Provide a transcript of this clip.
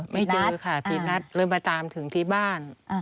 ไม่เจอค่ะพี่นัทเลยมาตามถึงที่บ้าน